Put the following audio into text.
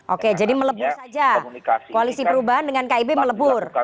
oke jadi melebur saja koalisi perubahan dengan kib melebur